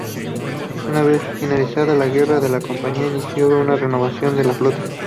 Una vez finalizada la guerra la compañía inició una renovación de la flota.